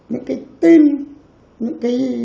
những cái tin